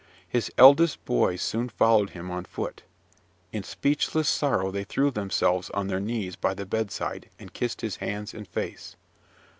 His eldest boys soon followed him on foot. In speechless sorrow they threw themselves on their knees by the bedside, and kissed his hands and face.